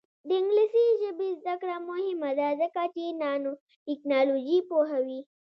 د انګلیسي ژبې زده کړه مهمه ده ځکه چې نانوټیکنالوژي پوهوي.